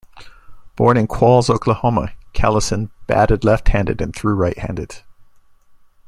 Born in Qualls, Oklahoma, Callison batted left-handed and threw right-handed.